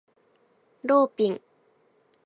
ローピン